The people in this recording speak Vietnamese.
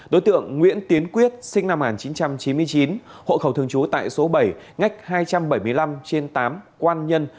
đối tượng nguyễn tiến quyết sinh năm một nghìn chín trăm chín mươi chín hộ khẩu thường trú tại số bảy ngách hai trăm bảy mươi năm trên tám quan nhân